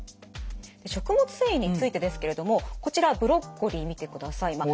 食物繊維についてですけれどもこちらブロッコリー見てください。